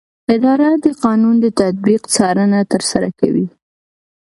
اداره د قانون د تطبیق څارنه ترسره کوي.